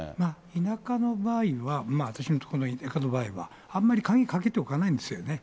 田舎の場合は、私の所の田舎の場合は、あんまり鍵かけておかないんですよね。